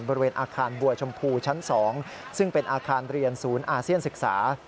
บริเวณอาคารบัวชมพูชั้น๒ซึ่งเป็นอาคารเรียนศูนย์อาเซียนศึกษา